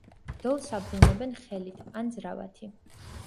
დოლს აბრუნებენ ხელით ან ძრავათი.